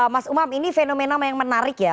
mas umam ini fenomena yang menarik ya